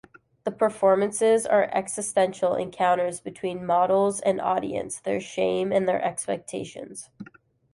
The performances are existential encounters between models and audience, their shame and their expectations.